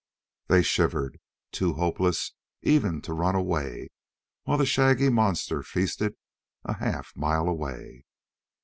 They shivered, too hopeless even to run away while the shaggy monster feasted a half mile away.